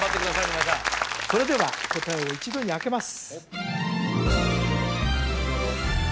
皆さんそれでは答えを一度にあけます